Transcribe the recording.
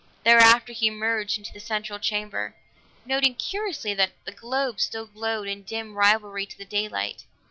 Thereafter he emerged into the central chamber, noting curiously that the globes still glowed in dim rivalry to the daylight.